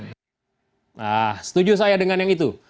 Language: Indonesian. nah setuju saya dengan yang itu